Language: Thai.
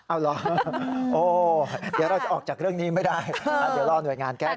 เอาเหรอโอ้เดี๋ยวเราจะออกจากเรื่องนี้ไม่ได้เดี๋ยวรอหน่วยงานแก้ไข